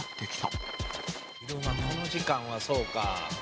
昼間この時間はそうか。